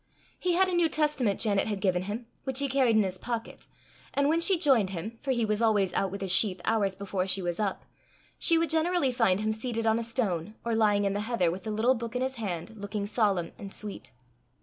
He had a New Testament Janet had given him, which he carried in his pocket, and when she joined him, for he was always out with his sheep hours before she was up, she would generally find him seated on a stone, or lying in the heather, with the little book in his hand, looking solemn and sweet.